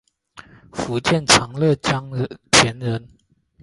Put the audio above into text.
福建长乐江田人。